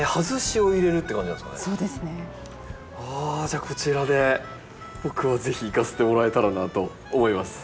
じゃあこちらで僕は是非いかせてもらえたらなと思います。